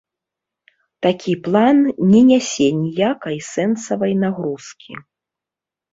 Такі план не нясе ніякай сэнсавай нагрузкі.